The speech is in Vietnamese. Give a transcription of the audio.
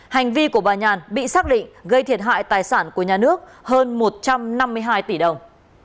hành vi của bà nhàn bị xác định gây thiệt hại tài sản của nhà nước hơn một trăm năm mươi hai tỷ đồng